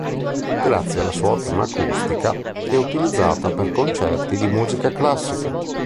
Grazie alla sua ottima acustica, è utilizzata per concerti di musica classica.